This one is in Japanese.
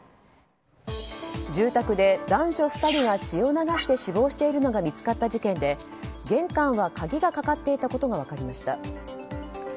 住宅で男女２人が血を流して死亡しているのが見つかった事件で玄関は鍵がかかっていたことが分かりました。